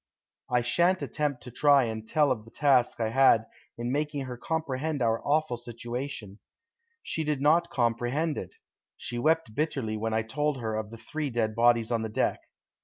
I shan't attempt to try and tell of the task I had in making her comprehend our awful situation. She did not comprehend it. She wept bitterly when I told her of the three dead bodies on the deck.